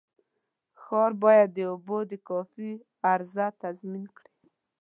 ښار باید د اوبو د کافي عرضه تضمین کړي.